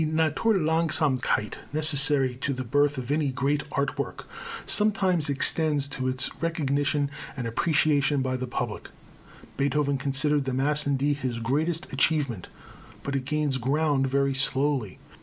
The Naturlangsamkeit necessary to the birth of any great art work sometimes extends to its recognition and appreciation by the public. Beethoven considered the Mass in D his greatest achievement, but it gains ground very slowly.